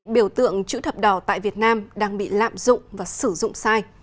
biểu tượng chữ thập đỏ tại việt nam đang bị lạm dụng và sử dụng sai